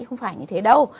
không phải như thế đâu